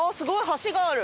橋がある。